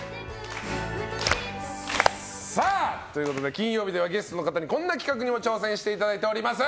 金曜日ではゲストの方にこんな企画にもチャレンジしていただいています。